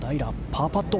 パーパット。